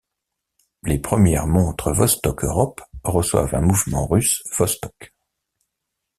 Les premières montres Vostok Europe reçoivent un mouvement Russe Vostok.